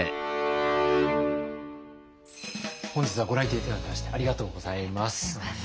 本日はご来店頂きましてありがとうございます。